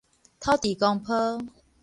土地公坡